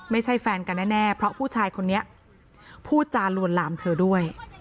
ไม่ใช่แฟนกันแน่เพราะผู้ชายคนนี้พูดจาลวนลามเธอด้วย